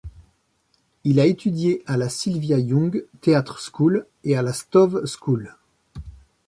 Il a étudié à la Sylvia Young Theatre School et à la Stowe School.